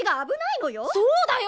そうだよ！